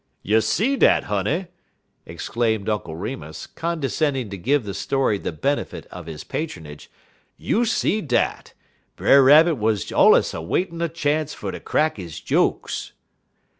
"You see dat, honey!" exclaimed Uncle Remus, condescending to give the story the benefit of his patronage; "You see dat! Brer Rabbit wuz allus a waitin' a chance fer ter crack he jokes."